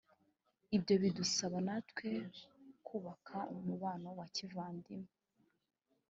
Ibyo bidusaba natwe kubaka umubano wa kivandimwe